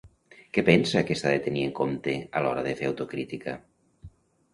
Què pensa que s'ha de tenir en compte a l'hora de fer autocrítica?